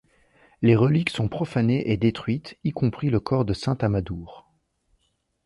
Les reliques sont profanées et détruites, y compris le corps de saint Amadour.